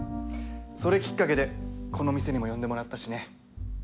それきっかけでこの店にも呼んでもらったしね。